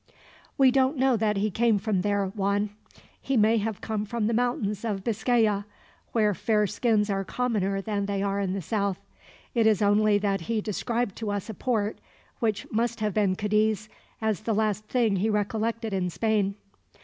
"We don't know that he came from there, Juan. He may have come from the mountains of Biscaya, where fair skins are commoner than they are in the south. It is only that he described to us a port, which must have been Cadiz, as the last thing he recollected in Spain."